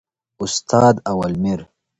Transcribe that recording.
استاد اولمیر